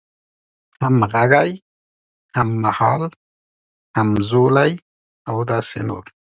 همغږی، هممهال، همزولی او داسې نور